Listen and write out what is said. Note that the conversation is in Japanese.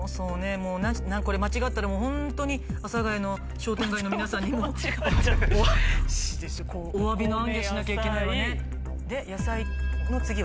もうこれ間違ったらホントに阿佐谷の商店街の皆さんにおわびの行脚しなきゃいけないわね。